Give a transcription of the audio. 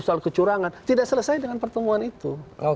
soal kecurangan tidak selesai dengan pertemuan itu